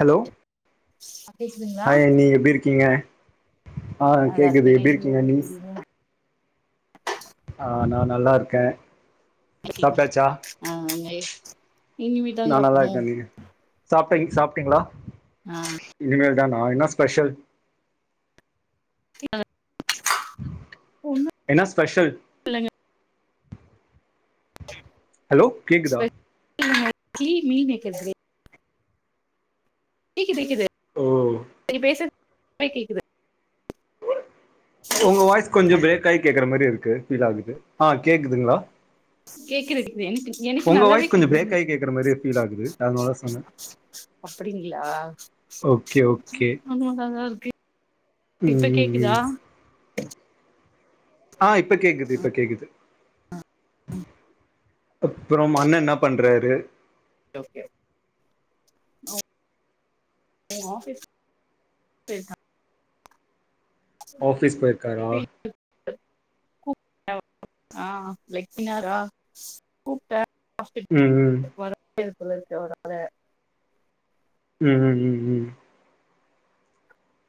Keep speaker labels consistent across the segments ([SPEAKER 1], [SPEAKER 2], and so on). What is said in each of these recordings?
[SPEAKER 1] Hello
[SPEAKER 2] ஆ கேக்குதுங்
[SPEAKER 1] hi அண்ணி எப்டி இருக்கீங்க ஆ
[SPEAKER 2] நல்லா
[SPEAKER 1] கேக்குது
[SPEAKER 2] இருக்கேங்க
[SPEAKER 1] எப்டி
[SPEAKER 2] நீங்க
[SPEAKER 1] இருக்கீங்க அண்ணி
[SPEAKER 2] எப்டி
[SPEAKER 1] ஆ நா நல்லாருக்கே
[SPEAKER 2] எப்டி இருக்கீங் ஆ [inaudible] இனிமேதா சாப்பனு
[SPEAKER 1] சாப்டேங் சாப்டீங்களா
[SPEAKER 2] ஆ
[SPEAKER 1] இனிமே தான என்ன ஸ்பெஷல்
[SPEAKER 2] [inaudible] ஒண்ணு
[SPEAKER 1] என்ன ஸ்பெஷல்
[SPEAKER 2] பிள்ளைங்க
[SPEAKER 1] ஹலோ கேக்குதா
[SPEAKER 2] இல்லைங்க நெத்திலி மீன் வெக்கிறவே கேக்குது குது
[SPEAKER 1] ஓ
[SPEAKER 2] நீங்க பேசுற கொறை கேக்குது
[SPEAKER 1] ஒங்க வாய்ஸ் கொஞ்சோ பிரேக் ஆகி கேக்குற மாரி இருக்கு ஃபீல் ஆகுது ஆ கேக்குதுங்களா
[SPEAKER 2] கேக்குது கேக்குது எனக்கு எனக்கு
[SPEAKER 1] ஒங்க
[SPEAKER 2] நல்லாவே
[SPEAKER 1] வாயஸ் கொஞ்சம்
[SPEAKER 2] கேக்குதுங்க
[SPEAKER 1] பிரேக்காயி கேக்குற மாரியே ஃபீல் ஆகுது அதனால சொன்னே
[SPEAKER 2] அப்டிங்களா
[SPEAKER 1] ஓகே ஓகே
[SPEAKER 2] ஆமாங்க அதா ருக்கு
[SPEAKER 1] ம்
[SPEAKER 2] இப்ப
[SPEAKER 1] ம்
[SPEAKER 2] கேக்குதா
[SPEAKER 1] ம் ஆ இப்ப கேக்குது இப்ப கேக்குது அப்புறம் அண்ண என்ன பண்றாரு
[SPEAKER 2] ஓகே அவ் ஆஃபீஸ் போயிருக்காங்க
[SPEAKER 1] ஆஃபீஸ் போயிருக்காரா
[SPEAKER 2] ப்ப [inaudible] கூ ஆ லைக் கனாரா கூப்பிட்ட [unintelligible]
[SPEAKER 1] ம் ம்
[SPEAKER 2] மறக்கவே [unintelligible] இதுக்குள்ள இருக்க ஒரு ஆள
[SPEAKER 1] ம் ம் ம் ம்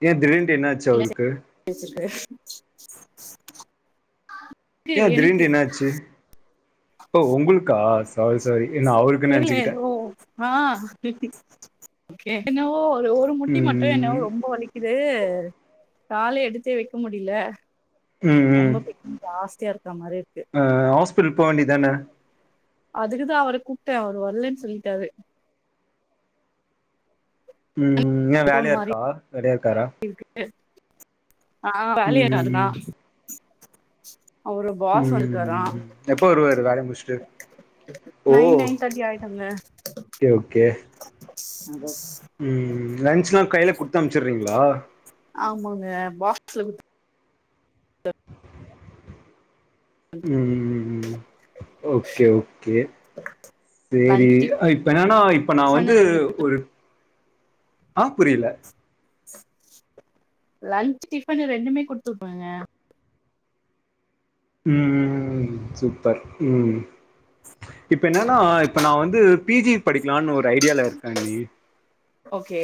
[SPEAKER 1] ஏ திடீண்டு என்ன ஆச்சு அவருக்கு
[SPEAKER 2] பேச்சிருக்கார்
[SPEAKER 1] ஏ திடீர்னு என்ன ஆச்சு ஓ உங்களுக்கா சாரி சாரி நா அவருக்
[SPEAKER 2] தெரில எதோ ஆ என்னவோ ஒரு ஒரு முட்டி மட்டு என்னவோ
[SPEAKER 1] ம்
[SPEAKER 2] ரொம்ப வலிக்குது காலே எடுத்து வெக்க முடியல
[SPEAKER 1] ம் ம்
[SPEAKER 2] ரொம்ப ஜாஸ்தியா இருக்க மாதிரி இருக்கு
[SPEAKER 1] ஆ ஹாஸ்பிட்டல் போக வேண்டியதுதானே
[SPEAKER 2] அதுக்குதா அவரை கூப்பிட்டே அவர் வரலன்னு சொல்லிட்டாரு
[SPEAKER 1] ம் ஏ வேலையா இருக்கா வேலையா இருக்காரா
[SPEAKER 2] இருக்கு ஆ
[SPEAKER 1] ம்
[SPEAKER 2] வேலய இருக்காருதா
[SPEAKER 1] ம்
[SPEAKER 2] அவரு பாஸ்
[SPEAKER 1] ம்
[SPEAKER 2] வந்துருக்காறா
[SPEAKER 1] ம் எப்போ வருவாரு வேலைய முடிச்சுட்டு ஓ
[SPEAKER 2] நைன் நைன் தேர்ட்டி ஆயிடுங்க
[SPEAKER 1] ஓகே ஓகே
[SPEAKER 2] அந்த
[SPEAKER 1] ம் லன்ச் எல்லா கையில குடுத்து அனுச்சுறீங்களா
[SPEAKER 2] ஆமாங்க பாக்ஸ்ல குடுத்
[SPEAKER 1] ம் ஓகே ஓகே சேரி
[SPEAKER 2] லன்ச்
[SPEAKER 1] இப்ப என்னன்னா இப்ப நா
[SPEAKER 2] டிஃபன்
[SPEAKER 1] வந்து
[SPEAKER 2] ரெண்டு
[SPEAKER 1] ஒரு ஆ புரியல
[SPEAKER 2] லன்ச் டிபன் ரெண்டுமே குடுத்துவுடுவங்க
[SPEAKER 1] ம் ம் ம் ம் சூப்பர் ம் இப்ப என்னன்னா இப்ப நா வந்து பி ஜி படிக்கலான்னு ஒரு ஐடியால இருக்கனே
[SPEAKER 2] ஓகே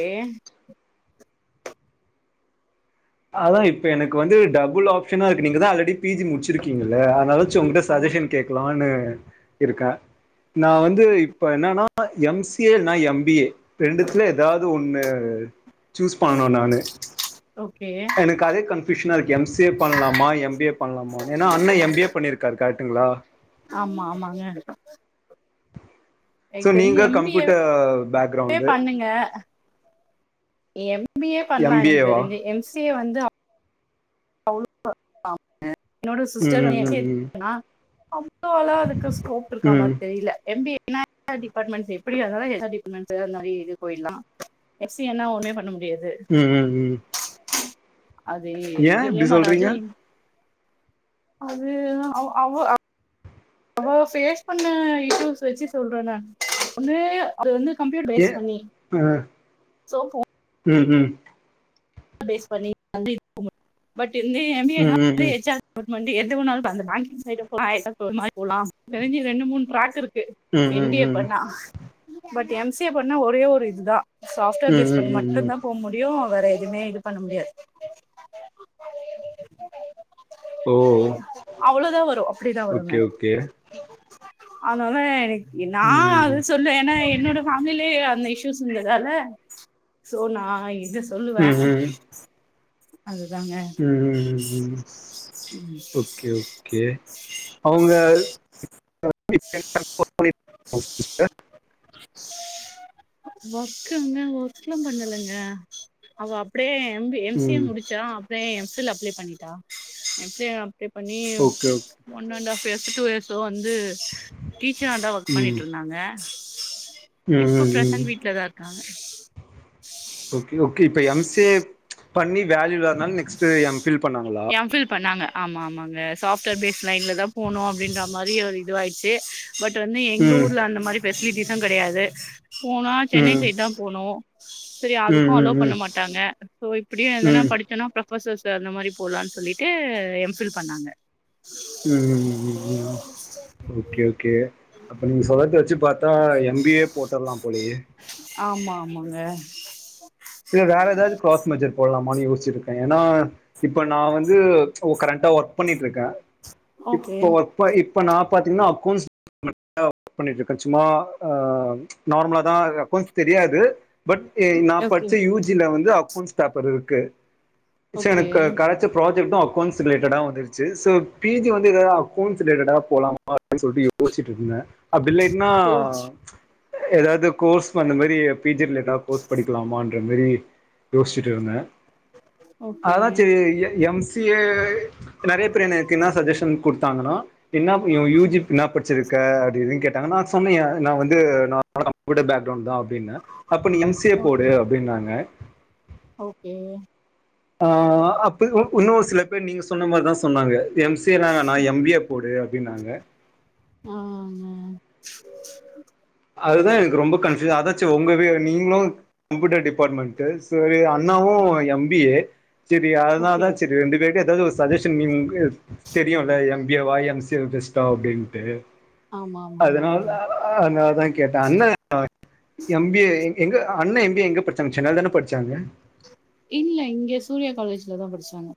[SPEAKER 1] அதா இப்ப எனக்கு வந்து டபுள் ஆப்ஷனா இருக்கு நீங்க தா ஆல்ரெடி பி ஜி முடிச்சிருக்கீங்கள அதனால ச்சு உங்களிட்ட
[SPEAKER 2] ஆமா
[SPEAKER 1] சஜஷன் கேகலானு இருக்கே நா வந்து இப்ப என்னன்னா எம் சி ஏ இல்லன்னா எம் பி ஏ ரெண்டுத்துல எதாவது ஒன்னு சூஸ் பண்ணனு நானு
[SPEAKER 2] ஓகே
[SPEAKER 1] எனக்கு அதே கன்ஃபியூஷனா இருக்கு எம் சி ஏ பண்ணலாமா எம் பி ஏ பண்ணலாமனு ஏன்னா அண்ணன் எம் பி ஏ பண்ணிருக்காரு கரெக்டுங்களா
[SPEAKER 2] ஆமா ஆமாங்க
[SPEAKER 1] சோ
[SPEAKER 2] எனக்கு
[SPEAKER 1] நீங்க கம்ப்யூட்டர் பேக்ரௌண்டு்
[SPEAKER 2] நீங்க எம் பி ஏ பண்ணலா எனக்கு
[SPEAKER 1] எம்பிஏவா
[SPEAKER 2] தெரிஞ்சு எம் சி ஏ வந்து அவளோ [unintelligible] என்னோட
[SPEAKER 1] ம்
[SPEAKER 2] சிஸ்டர்
[SPEAKER 1] ம்
[SPEAKER 2] வந்து
[SPEAKER 1] ம் ம்
[SPEAKER 2] [unintelligible] அவ்ளோாலா அதுக்கு ஸ்கோப் இருக்க மாரி
[SPEAKER 1] ம்
[SPEAKER 2] தெரியில எம் பி ஏ என்ன டிப்பார்ட்மெண்ட் எப்டியாருந்தாலு [unintelligible] டிப்பார்ட்மெண்ட் அது மாரி இது போயிட்லா எஸ சினா ஒன்னுமே பண்ண முடியாது
[SPEAKER 1] ம் ம் ம்
[SPEAKER 2] அது
[SPEAKER 1] ஏன் இப்டி
[SPEAKER 2] இதுல்லியும் வராது
[SPEAKER 1] சொல்றீங்க
[SPEAKER 2] இது அது அவ் அவ்வோ அவ ஃபேஸ் பண்ண இது வச்சி சொல்ற நானு ஒன்னு அது வந்து கம்ப்யூட்
[SPEAKER 1] ஏ
[SPEAKER 2] ஃபேஸ் பண்ணி
[SPEAKER 1] ஆ
[SPEAKER 2] சோ ஹோம்
[SPEAKER 1] ம் ம்
[SPEAKER 2] பேஸ் பண்ணி [inaudible] பட் வந்து எம் பி
[SPEAKER 1] ம் ம் ம் ம் ம்
[SPEAKER 2] ஏன்னா வந்து எக்ஸாம் வுர்மெண்ட்டு எது வேணாலு அந்த பேங்கிங் சைட் போலா [unintelligible] எனக்கு தெரிஞ்சி ரெண்டு மூணு டிராக் இருக்கு எம் பி
[SPEAKER 1] ம்
[SPEAKER 2] ஏ பண்ணா பட் எம் சி ஏ பண்ணா ஒரே ஒரு இதுதா சாஃப்ட்வேர்
[SPEAKER 1] ம்
[SPEAKER 2] பேஸ்
[SPEAKER 1] ம்
[SPEAKER 2] பண்ணி
[SPEAKER 1] ம் ம்
[SPEAKER 2] மட்டுந்தா போ முடியு வேற எதுவுமே இது பண்ண முடியாது
[SPEAKER 1] ஓ
[SPEAKER 2] அவ்ளோதா வரு அப்டிதா வருங்க
[SPEAKER 1] ஓகே ஓகே
[SPEAKER 2] ஆனாலு எனக் எ நா
[SPEAKER 1] ம்
[SPEAKER 2] அது
[SPEAKER 1] ம்
[SPEAKER 2] சொல்ல ஏனா என்னோட ஃபே மிலி அந்த இஷ்யூஸ் இருந்ததால சோ நா இது சொல்லுவ
[SPEAKER 1] ம் ம்
[SPEAKER 2] அதுதாங்க
[SPEAKER 1] ம் ம் ம் ஓகே ஓகே அவுங்க [inaudible] சிஸ்டர்
[SPEAKER 2] ஒர்க்குங்க ஒர்க்லா பண்ணலங்க அவ அப்டே M B M C A
[SPEAKER 1] ம்
[SPEAKER 2] முடிச்சா அப்டியே எம் ஃபில் அப்ளே பண்ணிட்டா எம் சி யே அப்ளே பண்ணி
[SPEAKER 1] okay okay
[SPEAKER 2] one and half years two இயர்ஸோ வந்து டீச்சரா தா ஒர்க்
[SPEAKER 1] ம்
[SPEAKER 2] பண்ணிட்ருந்தாங்க
[SPEAKER 1] ம்
[SPEAKER 2] இப்ப
[SPEAKER 1] ம் ம்
[SPEAKER 2] ப்ரிண்ட் வீட்லதா இருக்காங்க
[SPEAKER 1] ஓகே ஓகே இப்ப எம் சி ஏ பண்ணி வேல்யூ இல்லாதனால நெக்ஸ்ட்டு எம் ஃபில் பண்ணாங்களா
[SPEAKER 2] எம் ஃபில் பண்ணாங்க ஆமா ஆமாங்க சாஃப்ட்வேர் பேஸ்ட் லைன்ல தா போணு அப்டின்ற மாரி ஒரு இதுவாயிடுச்சு பட் வந்து எங்க
[SPEAKER 1] ம்
[SPEAKER 2] ஊர்ல அந்த மாரி ஃபெசிலிட்டிஸு கெடையாது போனா சென்னை
[SPEAKER 1] ம்
[SPEAKER 2] சைட்தா‌ போணு செரி
[SPEAKER 1] ம்
[SPEAKER 2] அதுக்கும்
[SPEAKER 1] ம்
[SPEAKER 2] அலோ
[SPEAKER 1] ம்
[SPEAKER 2] பண்ண
[SPEAKER 1] ம்
[SPEAKER 2] மாட்டாங்க சோ இப்டியு எதன்னா படி ச்சோன்னா ப்ரொஃபசர்ஸு அந்த மாரி போலானு சொல்லிட்டு எம்ஃபில் பண்ணாங்க
[SPEAKER 1] ம் ம் ம் ஓகே ஓகே அப்ப நீங்க சொல்லறது வச்சு பாத்தா எம் பி ஏ போட்டர்லா போலயே
[SPEAKER 2] ஆமா ஆமாங்க
[SPEAKER 1] இல்ல வேற ஏதாவது க்ராஸ் மேஜர் போட்லாமானு யோசிச்சுட்ருக்கே ஏன்னா இப்ப நா வந்து ச் ஓ கரண்டா ஒர்க் பண்ணிட்ருக்க
[SPEAKER 2] ஓகே
[SPEAKER 1] இப்ப ஒர்க் ப இப்ப நா பாத்தீங்கன்னா அக்கொன்ஸ் [inaudible] ஒர்க் பண்ணிட்ருக்க சும்மா ஆ ச் நார்மலாதா அக்கௌன்ஸ் தெரியாது பட் எ நா
[SPEAKER 2] ஓகே
[SPEAKER 1] பட்ச்ச யூ ஜி ல வந்து அக்கௌன்ஸ் பேப்பர் இருக்கு ச
[SPEAKER 2] ஓகே
[SPEAKER 1] எனக்கு க கெடச்ச ப்ராஜெக்ட்டு அக்கௌண்ஸ் ரிலேட்டடா வந்துருச்சு சோ பிஜி வந்து ஏதாவது அக்கௌன்ஸ் ரிலேட்டடா போலா [unintelligible] சொல்ட்டு யோசிச்சுட்ருக்குங்க அப்டி இல்லாட்டுனா எதாது கோர்ஸ் அந்த மாரி பி ஜி எதாது கோர்ஸ் படி ப்போமான்ற மாரி யோசிச்சுட்டுருந்த
[SPEAKER 2] ஓகே
[SPEAKER 1] அதா சேரி எ எம்ஸ் நெறைய பேர் எனக்கென்னா சஜஷன் குடுத்தாங்கன்னா என்னாப் யூ யூ ஜி இன்னா ப ச்சுருக்க அது இதுன் கேட்டாங்க நா சொன்னே ஏ நா வந்து நா [inaudible] பேக்ரவுண்ட் தா அப்டின்னு அப்ப நீ எம் சி எ போடு
[SPEAKER 2] ஓகே
[SPEAKER 1] அப்டின்னாங்க
[SPEAKER 2] ஓகே
[SPEAKER 1] ஆ அப்பல்லா உன்னொரு சில பேர் நீங்க சொன்ன மார்தா சொன்னாங்க எம் சி எ லா நா எம் பி எ போடு அப்டின்னாங்க
[SPEAKER 2] ஆம
[SPEAKER 1] அதுதா எனக்கு ரொம்ப கன்ஃப்யூ அதாச்சு ஒங்கது நீங்ளு கம்ப்யூட்டர் டிப்பார்ட்மெண்ட்டு செரி அண்ணாவு எம் பி எ செரி அதனால
[SPEAKER 2] ஓகே
[SPEAKER 1] தா செரி ரெண்டு பேர்ட்டயு எதாது ஒரு சஜஷன் நீங் உங்க தெரியுல எங் பி எ வா எம் சி எ பேஸ்ட்டா அப்டின்ட்டு
[SPEAKER 2] ஆமா ஆமா
[SPEAKER 1] அதனால
[SPEAKER 2] ஆமாங்க
[SPEAKER 1] தா அந்த அதா கேட்டே அண்ண ஆ எம் பி எ எங்க அண்ண எம் பி எ எங்க படிச்சாங்க சென்னைல தான படிச்சாங்க
[SPEAKER 2] இல்ல இங்க சூர்யா காலேஜ்ல தா படிச்சாங்க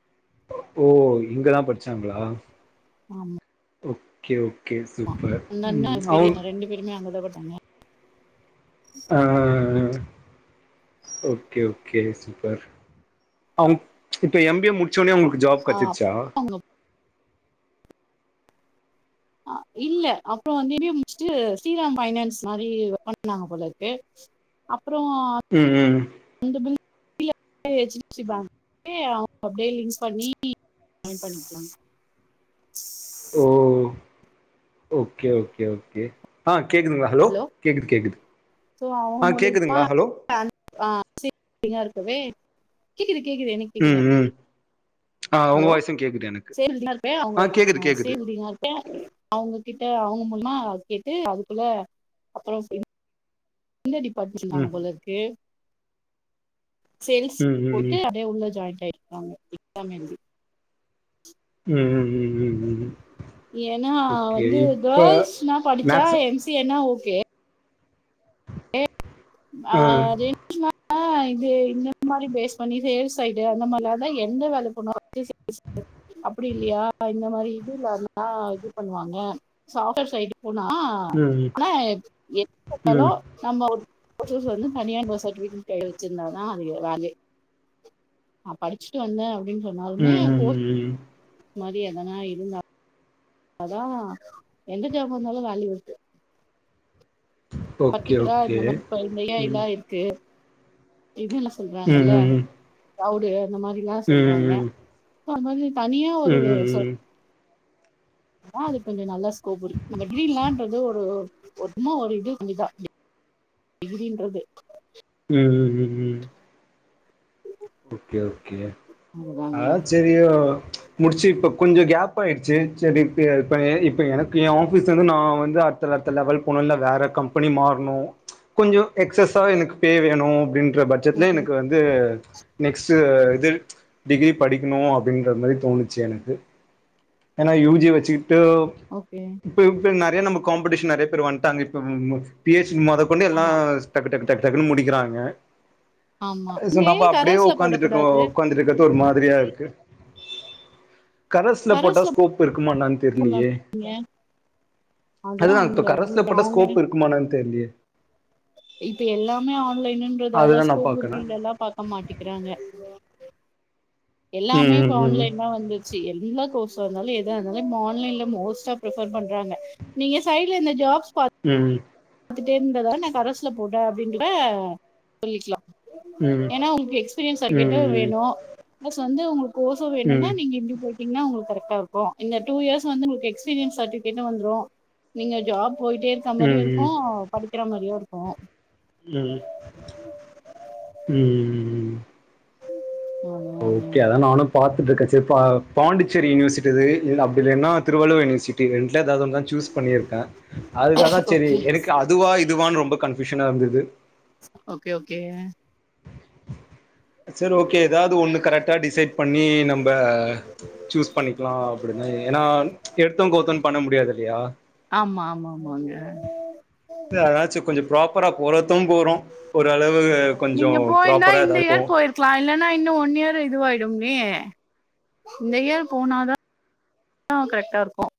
[SPEAKER 1] ஓ இங்கதா படிச்சாங்ளா
[SPEAKER 2] ஆமா
[SPEAKER 1] ஓகே ஓகே சூப்பர்
[SPEAKER 2] அந்த அண்ணா
[SPEAKER 1] ம் அவுங்
[SPEAKER 2] பெரிய ரெண்டு பேருமே அங்கதா படிச்சாங்க
[SPEAKER 1] ஆ ஓகே ஓகே சூப்பர் அவ்ங் இப்ப எம் பி எ முடிச்சோனே உங்களுக் ஜாப்
[SPEAKER 2] ஆ
[SPEAKER 1] கெட்ச்சிர்சா
[SPEAKER 2] அவங்க அ இல்ல அப்ற அங்கேவே முச்சுட்டு ஸ்ரீராம் பைனான்ஸ் மாரி ஒர்க் பண்ணாங்க போலருக்கு அப்றோ
[SPEAKER 1] ம் ம்
[SPEAKER 2] இந்த பில் [inaudible] [unintelligible] சிரிச்சிப்பாங்கன்னு அவ்ங்க அப்டியே லிங்க் பண்ணி ஜாய்ன் பண்ணிக்கலாங்
[SPEAKER 1] ஓ ஓகே ஓகே ஓகே ஆ கேக்குதுங்ளா ஹலோ கேக்குது கேக்குது ஆ கேக்குதுங்ளா ஹலோ
[SPEAKER 2] [inaudible] இருக்குமே கேக்குது கேக்குது எனக்
[SPEAKER 1] ம் ம் ஆ உங்க
[SPEAKER 2] ஹலோ
[SPEAKER 1] வாய்ஸு கேக்குது எனக்கு
[SPEAKER 2] சேர்ந்தினா இருப்பே அவ்ங்க
[SPEAKER 1] கேக்குது
[SPEAKER 2] ஆ
[SPEAKER 1] கேக்குது
[SPEAKER 2] சேர்ந்தினா இருப்பே அவ்ங்க கிட்ட அவ்ங்க மூலிமா கேட்டு அதுக்குள்ள அப்பறோ இன் இந்த டிபார்ட்மெண்ட்னாங்க
[SPEAKER 1] ம்
[SPEAKER 2] போலருக்கு சேல்ஸ்
[SPEAKER 1] ம்
[SPEAKER 2] இப்ப
[SPEAKER 1] ம்
[SPEAKER 2] போட்டு
[SPEAKER 1] ம்
[SPEAKER 2] அப்டியே உள்ள ஜாய்ண்ட் ஆய்ருக்காங்க எக்ஸாம் எழுதி
[SPEAKER 1] ம் ம் ம் ம் ம்
[SPEAKER 2] ஏனா
[SPEAKER 1] ஓகே
[SPEAKER 2] வந்து
[SPEAKER 1] இப்ப
[SPEAKER 2] கேர்ள்ஸ்னா படிச்சா
[SPEAKER 1] மேக்ஸு
[SPEAKER 2] எம் சி எ னா ஓகே ஆ ரெண் ஆ இது இந்த மாரி பேஸ் பண்ணி சேல்ஸ் சைடு அந்த மார்லாருந்தா எந்த வேல பண்ணுவா [inaudible] அப்டி இல்லையா இந்த மாரி இதுல்ல இருந்தா இது பண்ணுவாங்க சாஃப்ட்வேர் சைடு போனா
[SPEAKER 1] ம் ம்
[SPEAKER 2] ஆனா எப் எப்ப பாத்தாலு
[SPEAKER 1] ம்
[SPEAKER 2] நம்ம ஒரு ஃபஸ்ட் ஃபஸ்ட்டு வந்து தனியா நம்ம சர்டிஃபிகேட்டுன் கைல வச்சிருந்தா தா அது எ ராங்கே நா படிச்சுட்டு வந்தே அப்டின் சொன்னாலுமே
[SPEAKER 1] ம் ம் ம்
[SPEAKER 2] போர்
[SPEAKER 1] ம்
[SPEAKER 2] மாரி எதனா இருந்தா அதா‌ எந்த ஜாப் வந்தாலு வேல்யூ இருக்கு
[SPEAKER 1] ஓகே
[SPEAKER 2] பர்ட்டிகுலரா
[SPEAKER 1] ஓகே
[SPEAKER 2] இந்த மாரி பை
[SPEAKER 1] ம்
[SPEAKER 2] [unintelligible] இருக்கு கு இது என்ன
[SPEAKER 1] ம் ம்
[SPEAKER 2] சொல்றாங்கல்ல
[SPEAKER 1] ம் ம் ம் ம் ம்
[SPEAKER 2] கவுடு அந்த மாரி இன்னா சொல்றாங்க
[SPEAKER 1] ம்
[SPEAKER 2] ப்பா அந்த மாரி தனியா ஒரு அ சொல்
[SPEAKER 1] ம்
[SPEAKER 2] அது கொஞ்ச நல்லா ஸ்கோப் இருக்கு இந்த ட்ரீம்லான்றது ஒரு ஒரு சும்மா ஒரு இது [unintelligible] டிகிரின்றது
[SPEAKER 1] ம் ம் ம் ஓகே ஓகே
[SPEAKER 2] அதுதாங்க
[SPEAKER 1] அதா சேரி ஐயோ முடிச்சு இப்ப கொஞ்ச கேப் ஆயிடுச்சு சேரின்டு இப்பவே இப்ப எனக் ஏ ஆஃபிஸ் வந்து நா வந்து அடுத்தல அத்த லெவல் போனு இல்ல வேற கம்பெனி மாறணு கொஞ்ஜோ எக்ஸஸ் எனக்கு பே வேணு. அப்படின்ற பட்ஜெடல
[SPEAKER 2] ஓகே
[SPEAKER 1] எனக்கு வந்து நெக்ஸ்ட்டு இது டிகிரி படிக்கணு அப்படின்ற மாரி தோணுச்சு எனக்கு ஏன்னா யூ ஜி வச்சுட்டு
[SPEAKER 2] ஓகே
[SPEAKER 1] இப்ப இப்ப நெறைய நம்ம காம்படிஷன் நெறைய பேர் வந்ட்டாங்க இப்ப பி ஹெச் டி மொத கொண்டு எல்லா
[SPEAKER 2] ஆமா
[SPEAKER 1] டக்கு டக்கு டக்கு டக்கு முடிக்கிறாங்க
[SPEAKER 2] ஆமா
[SPEAKER 1] சோ
[SPEAKER 2] நீங்க ஏ
[SPEAKER 1] நம்ப அப்படியே
[SPEAKER 2] கரஸ்ல
[SPEAKER 1] ஒக்ந்துட்ருக்கோ
[SPEAKER 2] போடக்கூடாது
[SPEAKER 1] ஒக்காந்திரு ஒரு மாதிரியா இருக்கு கரஸ்ல போட்டா ஸ்கோப் இருக்குமா என்னான்னு தெரிலயே
[SPEAKER 2] அதெல்லா
[SPEAKER 1] அதுதா இப்ப
[SPEAKER 2] ஒண்ணுல்ல
[SPEAKER 1] கரசுல
[SPEAKER 2] உங்களுக்கு
[SPEAKER 1] போட்டா
[SPEAKER 2] அவங்க
[SPEAKER 1] ஸ்கோப் இருக்குமா என்னானு தெரிலயே
[SPEAKER 2] இப்ப எல்லாமே ஆன்லைனுன்றதால
[SPEAKER 1] அதுதா நா
[SPEAKER 2] ஸ்கோப் இறுதி
[SPEAKER 1] பாக்குறே
[SPEAKER 2] இல்லல்லா பாக்க மாட்டிக்கிறாங்க எல்லாமே
[SPEAKER 1] ம்
[SPEAKER 2] இப்ப
[SPEAKER 1] ம்
[SPEAKER 2] ஆன்லைன்தா வந்தது சே எல்லா கோர்ஸ்ம் இருந்தாலு எத இருந்தாலு ஆன்லைன்ல மோஸ்ட்டா பிரிஃபர் பண்றாங்க நீங்க சைடுல இந்த ஜாப்ஸ் பா
[SPEAKER 1] ம்
[SPEAKER 2] பாத்துக்கிட்டே இருந்ததா நா கரசுல போட்டே அப்படின்னு ஆ சொல்லிக்கலா
[SPEAKER 1] ம்
[SPEAKER 2] ஏன்னா உங்களுக்கு எக்ஸ்பீரியன்ஸ்
[SPEAKER 1] ம்
[SPEAKER 2] சட்டிவிக்கெட்டு க
[SPEAKER 1] ம்
[SPEAKER 2] வேணு பிளஸ் வந்து உங்களுக் கோஷும் வேணும்னா
[SPEAKER 1] ம்
[SPEAKER 2] நீங்க இப்டி போயிட்டு ன்னா உங்களுக் கரெக்டா இருக்கோ இல்லா டூ இயர்ஸ் வந்து உங்களுக்கு எஸ்பீரியன்ஸ் சர்டிவிகேட்டு வந்துறு நீங்க ஜாப் போயிட்டே இருக்க
[SPEAKER 1] ம்
[SPEAKER 2] மாரியு இருக்கு
[SPEAKER 1] ம்
[SPEAKER 2] படிக்கிற மாரியு இருக்கு
[SPEAKER 1] ம் ம் ம் ம் ஓகே அதா நானு பாத்துட்ருக்க சே இ பா பாண்டிச்சேரி யுனிவர்சிட்டிது இல்ல அப்டி இல்லைனா திருவள்ளுவர் யுனிவர்சிட்டி ரெண்டுல ஏதாவது ஒன்னு தா சூஸ் பண்ணியிருக்கே அதுக்க தா சேரி
[SPEAKER 2] ஓகே
[SPEAKER 1] எனக்கு அதுவா இதுவான்னு ரொம்ப கன்பூஷன்சா இருந்தது
[SPEAKER 2] ஓகே ஓகே
[SPEAKER 1] சரி ஓகே ஏதாவது ஒண்ணு கரெக்டா டிசைட் பண்ணி நம்ப சூஸ் பண்ணிக்கலா அப்டிதா ஏன்னா எடுத்தோ கௌதோ பண்ண முடியாது இல்லையா
[SPEAKER 2] ஆமா ஆமா ஆமா ஆமாங்க
[SPEAKER 1] அதாச்சு கொஞ்ச ப்ராப்பரா போறத போறோ ஓருளவு கொஞ்ச
[SPEAKER 2] ந்தா இந்த இயர் போயிருக்கலா இல்லன்னா இன்னு ஒன் இயர் இதுவாயிடும்மே இந்த இயர் போனாதா கரெக்டா இருக்கு